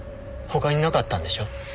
他になかったんでしょう。